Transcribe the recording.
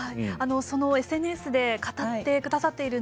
そのＳＮＳで語ってくださっている中からですね